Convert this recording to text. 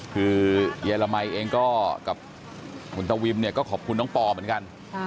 คือยายละมัยเองก็กับคุณตวิมเนี่ยก็ขอบคุณน้องปอเหมือนกัน